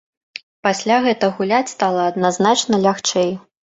Пасля гэта гуляць стала адназначна лягчэй.